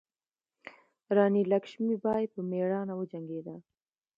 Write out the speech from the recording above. راني لکشمي بای په میړانه وجنګیده.